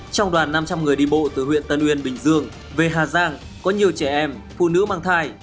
trong đoàn năm trăm linh người đi bộ từ huyện tân uyên bình dương về hà giang có nhiều trẻ em phụ nữ mang thai